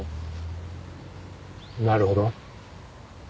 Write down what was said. なるほど。